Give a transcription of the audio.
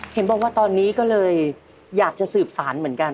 เห็นบอกว่าตอนนี้ก็เลยอยากจะสืบสารเหมือนกัน